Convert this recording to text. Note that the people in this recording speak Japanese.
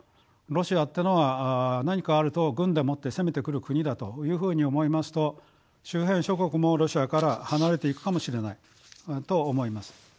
ロシアってのは何かあると軍でもって攻めてくる国だというふうに思いますと周辺諸国もロシアから離れていくかもしれないと思います。